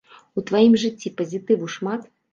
У тваім жыцці пазітыву шмат?